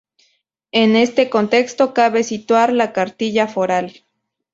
En este contexto cabe situar la "Cartilla Foral".